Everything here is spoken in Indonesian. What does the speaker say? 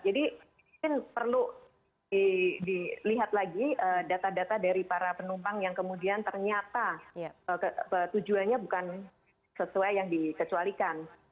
jadi mungkin perlu dilihat lagi data data dari para penumpang yang kemudian ternyata tujuannya bukan sesuai yang dikecualikan